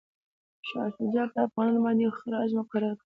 شاه شجاع پر افغانانو باندي خراج مقرر کړ.